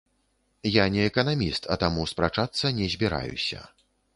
Я не эканаміст, а таму спрачацца не збіраюся.